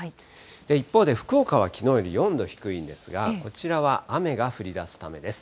一方で、福岡はきのうより４度低いんですが、こちらは雨が降りだすためです。